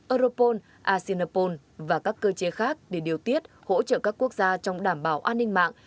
europol asinopol và các cơ chế khác để điều tiết hỗ trợ các quốc gia trong đảm bảo an ninh mạng